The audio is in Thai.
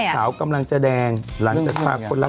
เรื่องขาวกำลังจะแดงหลังจะภาคคนรัก